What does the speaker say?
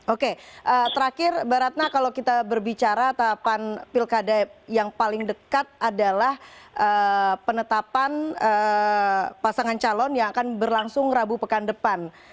oke terakhir mbak ratna kalau kita berbicara tahapan pilkada yang paling dekat adalah penetapan pasangan calon yang akan berlangsung rabu pekan depan